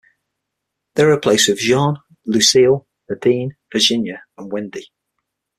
They were replaced with Jean, Lucille, Nadine, Virginia and Wendy.